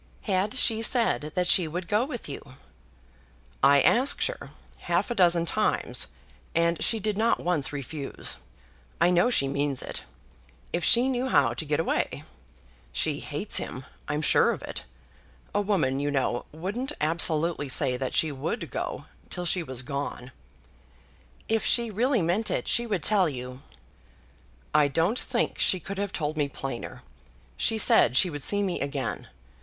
"Had she said that she would go with you?" "I had asked her, half a dozen times, and she did not once refuse. I know she means it, if she knew how to get away. She hates him; I'm sure of it. A woman, you know, wouldn't absolutely say that she would go, till she was gone." "If she really meant it, she would tell you." "I don't think she could have told me plainer. She said she would see me again.